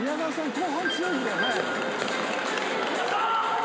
後半強いんだよね。